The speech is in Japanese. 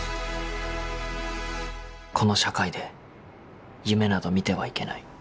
この社会で夢など見てはいけない。